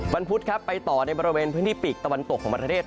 พุธครับไปต่อในบริเวณพื้นที่ปีกตะวันตกของประเทศ